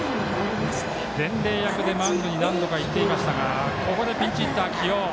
伝令役で何度かマウンドにいっていましたがここでピンチヒッター、起用。